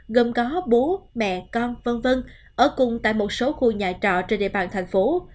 gồm có bố mẹ con v v ở cùng tại một số khu nhà trọ trên địa bàn thành phố